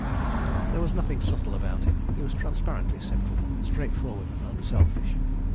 There was nothing subtle about him. He was transparently simple, straightforward and unselfish.